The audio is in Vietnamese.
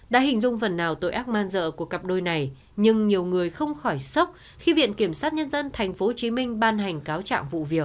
đã hình dung phần nào tội ác man dợ của cặp đôi này nhưng nhiều người không khỏi sốc khi viện kiểm sát nhân dân tp hcm ban hành cáo trạng vụ việc